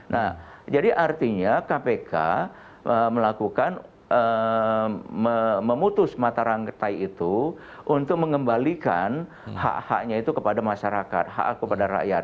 nah jadi artinya kpk melakukan memutus mata rangkai itu untuk mengembalikan hak haknya itu kepada masyarakat hak kepada rakyat